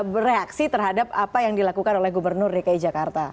bereaksi terhadap apa yang dilakukan oleh gubernur dki jakarta